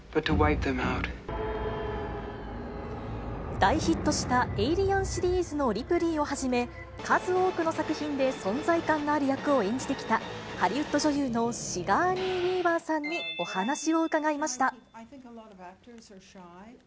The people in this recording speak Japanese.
大ヒットしたエイリアンシリーズのリプリーをはじめ、数多くの作品で存在感のある役を演じてきた、ハリウッド女優のシガーニー・ウィーバーさんにお話を伺いました。